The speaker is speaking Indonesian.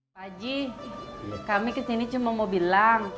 pak haji kami kesini cuma mau bilang